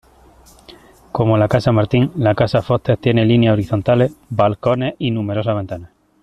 Como la casa Martin, la Casa Foster tiene líneas horizontales, balcones y numerosas ventanas.